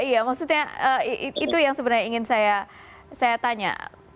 iya maksudnya itu yang sebenarnya ingin saya tanya